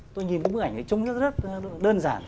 tôi nhìn cái bức ảnh trông rất đơn giản